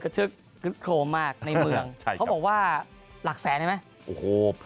เกินโครมมากในเมืองเขาบอกว่าหลักแสนใช่ไหม